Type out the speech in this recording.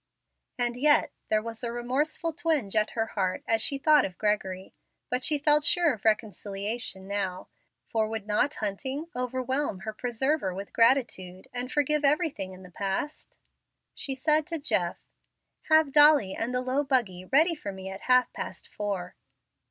And yet there was a remorseful twinge at her heart as she thought of Gregory. But she felt sure of reconciliation now, for would not Hunting overwhelm her preserver with gratitude, and forgive everything in the past? She said to Jeff, "Have Dolly and the low buggy ready for me at half past four."